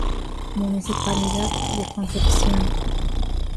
Municipalidad de Concepción.